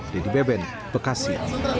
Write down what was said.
dedy beben bekasi